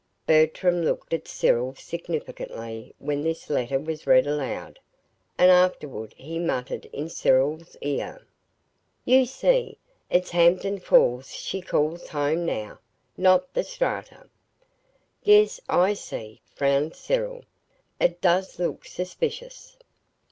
Bertram looked at Cyril significantly when this letter was read aloud; and afterward he muttered in Cyril's ear: "You see! It's Hampden Falls she calls 'home' now not the Strata." "Yes, I see," frowned Cyril. "It does look suspicious."